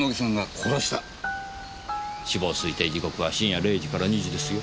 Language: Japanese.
死亡推定時刻は深夜零時から２時ですよ？